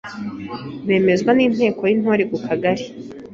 bemezwa n’Inteko y’Intore ku Kagari.